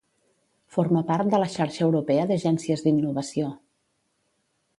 Forma part de la Xarxa Europea d'Agències d'Innovació.